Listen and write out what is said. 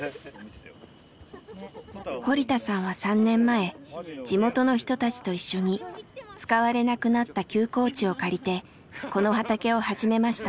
堀田さんは３年前地元の人たちと一緒に使われなくなった休耕地を借りてこの畑を始めました。